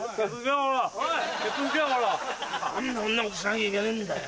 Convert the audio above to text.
何でそんなことしなきゃいけねんだよ。